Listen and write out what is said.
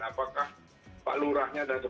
apakah pak lurahnya ngawasin